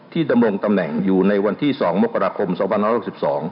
ดำรงตำแหน่งอยู่ในวันที่๒มกราคม๒๑๖๒